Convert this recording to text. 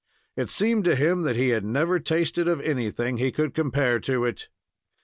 It seemed to him that he had never tasted of anything he could compare to it.